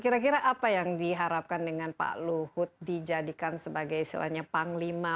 kira kira apa yang diharapkan dengan pak luhut dijadikan sebagai istilahnya panglima